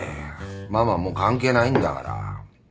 ママはもう関係ないんだから。